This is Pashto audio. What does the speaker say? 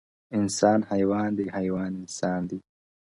انسان حیوان دی ـ حیوان انسان دی ـ